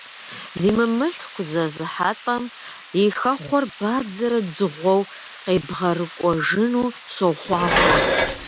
Зи мымылъку зэзыхьэлӀэм и хэхъуэр бадзэрэ дзыгъуэу къебгъэрыкӀуэжыну сохъуахъуэ!